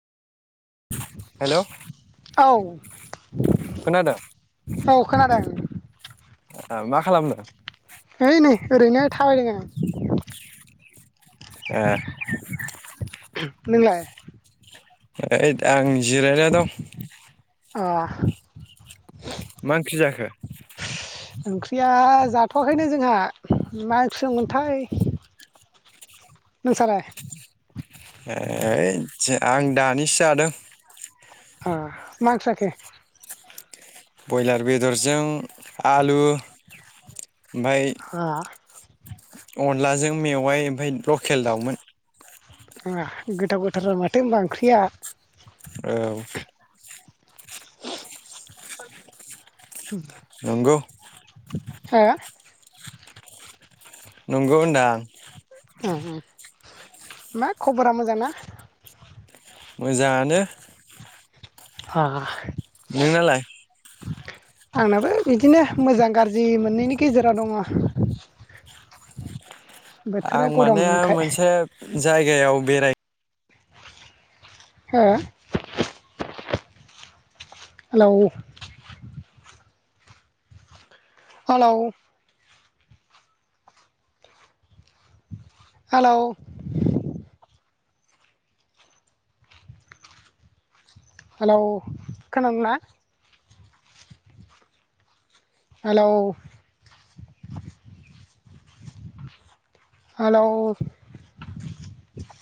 Hello औ खोनादों औ खोनादों ओ मा खालामदों ओइ नै ओरैनो थाबायदों आं एह नोंलाय ओइ आं जिरायना दं अह मा ओंख्रि जाखो ओंख्रिया जाथवाखैनो जोंहा मा ओंखि संगोनथाय नोंसालाय ओइ जा आं दानिसो जादों अ मा ओंखि जाखो ब्रयलार बेदरजों आलु ओमफाय अ अन अनलाजों मेवाइ ओमफ्राय लकेल दाउमोन ओह गोथाव गोथाराव माथो होनोमबा ओंख्रिया औ ह नंगौ हो नंगौ होनदां ओ ओ मा खबरा मोजां ना मोजाङानो अह नोंनालाय आंनाबो बिदिनो मोजां गाज्रि मोननैनि गेजेराव दङ। बोथोरा आं माने गरमखाय मोनसे जायगायाव बेराय हो हेलौ हेलाउ हेलाउ हेलौ खोनादोंना हेलौ हेलौ